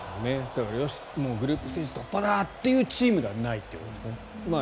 よしグループステージ突破だ！というチームではないということですね。